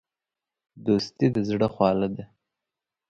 دوستي د زړه خواله ده.